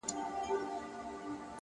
خاموشه هڅه د راتلونکي بنسټ جوړوي,